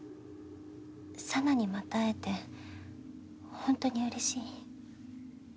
紗奈にまた会えてほんとにうれしい。